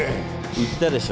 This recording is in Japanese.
言ったでしょ